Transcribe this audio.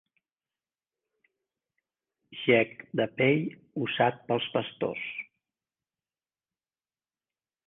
Gec de pell usat pels pastors.